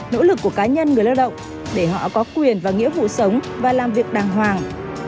nỗ lực của cá nhân người lao động để họ có quyền và nghĩa vụ sống và làm việc đàng hoàng